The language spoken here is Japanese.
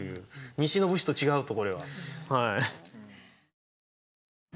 「西の武士と違う」とこれは。